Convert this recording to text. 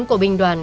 của bình đoàn